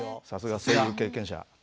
さすが声優経験者。